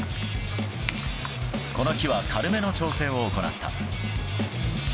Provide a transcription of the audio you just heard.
この日は軽めの調整を行った。